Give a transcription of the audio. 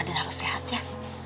aden harus sehat ya